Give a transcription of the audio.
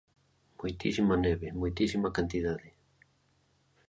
Moitísima neve, moitísima cantidade.